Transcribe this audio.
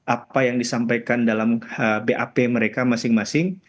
apa yang disampaikan dalam bap mereka masing masing